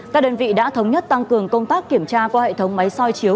các đơn vị đã thống nhất tăng cường công tác kiểm tra qua hệ thống máy soi chiếu